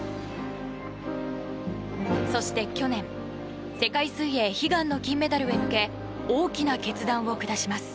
そして去年、世界水泳悲願の金メダルへ向け大きな決断を下します。